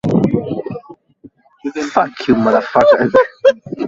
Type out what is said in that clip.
ghasia ambalo lilikuwa likitumia maghari yasiyopenya risasi na silaha nzito